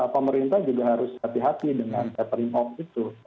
pemerintah juga harus hati hati dengan catering off itu